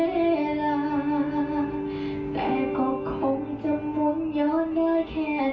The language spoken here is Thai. เรากลับมีใครมาหมุนย้อนเวลา